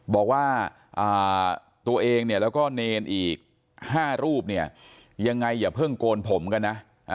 บอกว่าตัวเองเนนอีก๕รูปอย่างไรอย่าเพิ่งโกนผมกันนะ